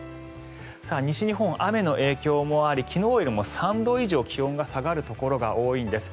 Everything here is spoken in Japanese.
西日本、雨の影響もあり昨日よりも３度以上気温が下がるところが多いんです。